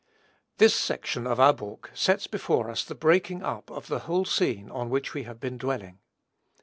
This section of our book sets before us the breaking up of the whole scene on which we have been dwelling.